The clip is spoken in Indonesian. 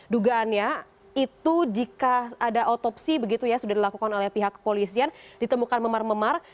dugaannya itu jika ada otopsi begitu ya sudah dilakukan oleh pihak kepolisian ditemukan memar memar